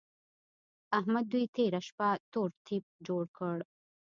احمد دوی تېره شپه تور تيپ جوړ کړ.